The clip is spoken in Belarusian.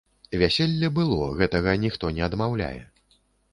Вяселле было, гэтага ніхто не адмаўляе.